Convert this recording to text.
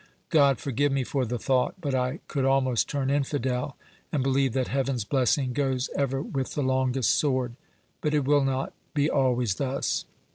God forgive me for the thought, but I could almost turn infidel, and believe that Heaven's blessing goes ever with the longest sword; but it will not be always thus.